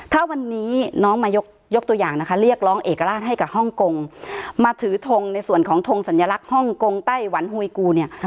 ถ้าวันนี้น้องมายกตัวอย่างนะคะเรียกร้องเอกราชให้กับฮ่องกงมาถือทงในส่วนของทงสัญลักษณ์ฮ่องกงไต้หวันหวยกูเนี่ย